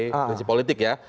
prinsip politik ya